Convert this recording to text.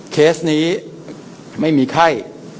เคสนี้ไม่มีไข้